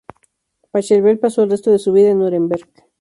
Pachelbel pasó el resto de su vida en Núremberg.